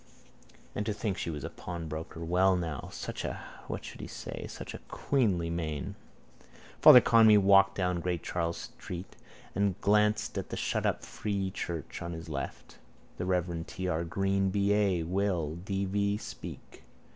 And to think that she was a pawnbroker! Well, now! Such a... what should he say?... such a queenly mien. Father Conmee walked down Great Charles street and glanced at the shutup free church on his left. The reverend T. R. Greene B.A. will (D.V.) speak.